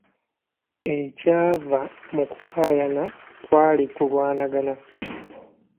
Ekyava mu kukaayana kwali kulwanagana.